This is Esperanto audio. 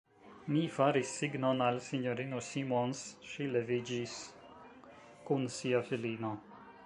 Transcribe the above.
Mi faris signon al S-ino Simons: ŝi leviĝis kun sia filino.